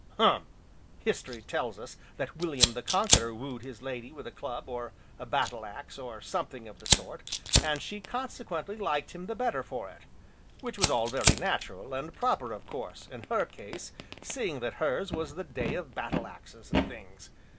Hum! History tells us that William the Conqueror wooed his lady with a club, or a battle axe, or something of the sort, and she consequently liked him the better for it; which was all very natural, and proper of course, in her case, seeing that hers was the day of battle axes, and things.